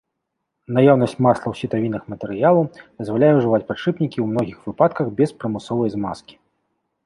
Наяўнасць масла ў сітавінах матэрыялу дазваляе ўжываць падшыпнікі ў многіх выпадках без прымусовай змазкі.